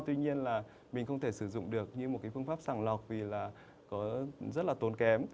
tuy nhiên là mình không thể sử dụng được như một cái phương pháp sàng lọc vì là rất là tốn kém